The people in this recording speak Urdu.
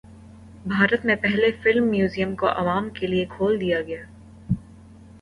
بھارت میں پہلے فلم میوزیم کو عوام کے لیے کھول دیا گیا